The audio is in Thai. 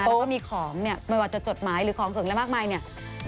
แล้วก็มีของเนี่ยไม่ว่าจะจดหมายหรือของเผงและมากมายเนี่ย